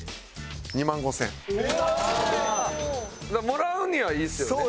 もらうにはいいですよね。